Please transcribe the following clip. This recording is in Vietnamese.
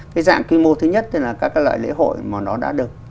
cái dạng quy mô thứ nhất là các cái loại lễ hội mà nó đã được